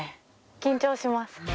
緊張します。